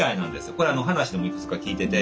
これ話でもいくつか聞いてて。